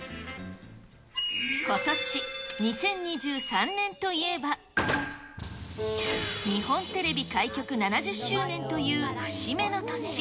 ことし・２０２３年といえば、日本テレビ開局７０周年という節目の年。